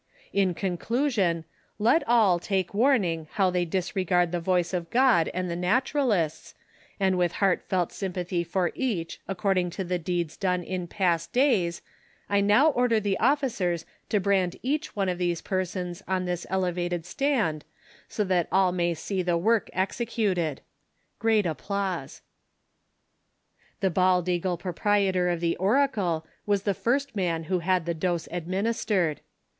"In conclusion, let all take warning how they disregard the voice of God and the Naturalists, and with heartfelt sympathy for each according to the deeds done in past days, I now order the officers to brand each one of these 380 THE SOCIAL WAR OF 1900; OR, .persons on this elevated stand so that all may see the work executed." [Great applause.] The baldeagle proprietor of the "Oracle" was the first man who had the dose administered.